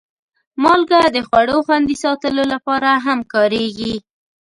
مالګه د خوړو خوندي ساتلو لپاره هم کارېږي.